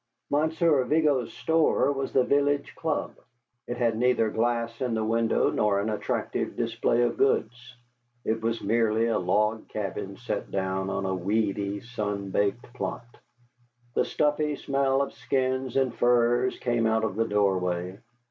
Monsieur Vigo's store was the village club. It had neither glass in the window nor an attractive display of goods; it was merely a log cabin set down on a weedy, sun baked plot. The stuffy smell of skins and furs came out of the doorway.